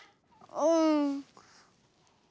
うん。